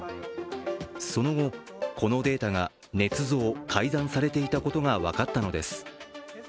その後、このデータがねつ造改ざんされていたことが分かったのです。